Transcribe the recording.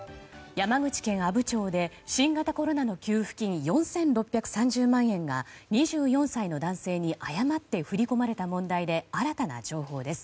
山口県阿武町で新型コロナの給付金４６３０万円が２４歳の男性に誤って振り込まれた問題で新たな情報です。